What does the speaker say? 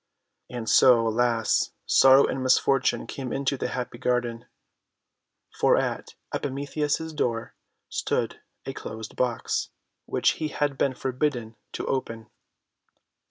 And so, alas ! sorrow and misfortune came into that happy garden! For at Epimetheus' door stood a closed box, which he had been forbidden to open.